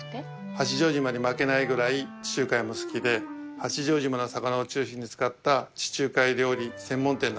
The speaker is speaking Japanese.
八丈島に負けないぐらい地中海も好きで八丈島の魚を中心に使った地中海料理専門店なんです。